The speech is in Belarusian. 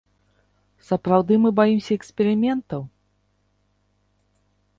Сапраўды мы баімся эксперыментаў?